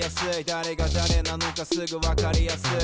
だれがだれなのかすぐわかりやすい。